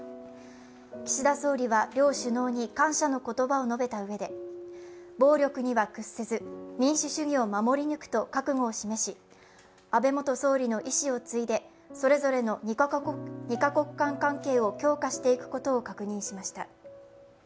岸田総理は、両首脳に感謝の言葉を述べたうえで暴力には屈せず民主主義を守り抜くと覚悟を示し安倍元総理の意志を継いで、それぞれの二カ国間関係を強化していくことを確認しました。